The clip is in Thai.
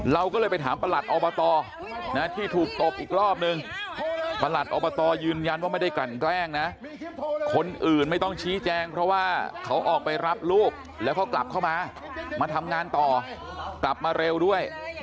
เราก็เลยไปถามประหลัดอบตที่ถูกตบอีกรอบนึงประหลัดอบตยืนยันว่าไม่ได้กลั่นแกล้งนะคนอื่นไม่ต้องชี้แจงเพราะว่าเขาออกไปรับลูกแล้วเขากลับเข้ามามาทำงานต่อกลับมาเร็วด้วย